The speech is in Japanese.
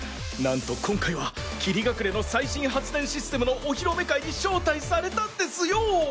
なんと今回は霧隠れの最新発電システムのお披露目会に招待されたんですよ。